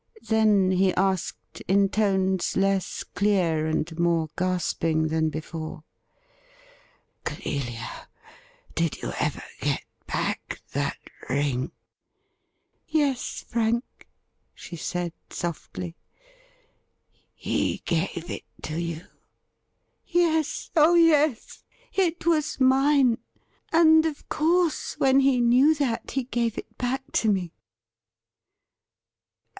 Then he asked, in tones less clear and more gasping than before :' Clelia, did you ever get back that ring .?'' Yes, Frank,' she said softly. ' He gave it to you ?'' Yes — oh yes ; it was mine ; and, of course, when he knew that he gave it back to me.'